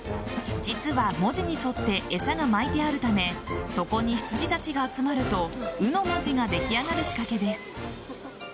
実は文字に沿って餌がまいてあるためそこにヒツジたちが集まると卯の文字が出来上がる仕掛けです。